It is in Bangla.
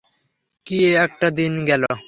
কী একটা দিন গেল!